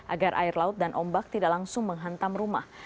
agar air laut dan ombak tidak langsung menghantam rumah